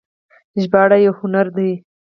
ژباړه یو هنر دی